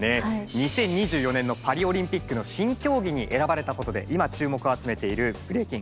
２０２４年のパリ・オリンピックの新競技に選ばれたことで今注目を集めているブレイキン。